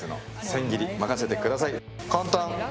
簡単！